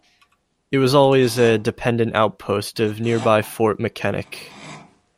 It was always a dependent outpost of nearby Fort Mackinac.